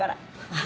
ああ。